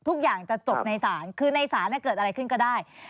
ทุกอย่างจะจบในสารคือในสารน่ะเกิดอะไรขึ้นก็ได้ใช่